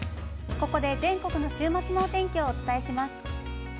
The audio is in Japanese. ◆ここで、全国の週末のお天気をお伝えします。